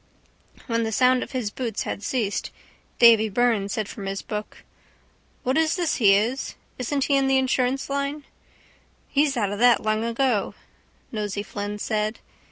When the sound of his boots had ceased Davy Byrne said from his book: —What is this he is? Isn't he in the insurance line? —He's out of that long ago, Nosey Flynn said.